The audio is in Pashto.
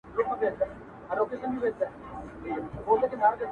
نسیمه را خبر که په سفر تللي یاران،